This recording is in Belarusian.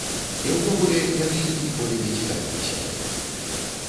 І ўвогуле, яны ніколі не цікавіліся гэтым.